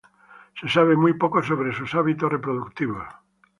Se sabe muy poco sobre sus hábitos reproductivos.